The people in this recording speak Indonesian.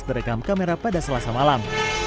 terekam kamera pada selasa malam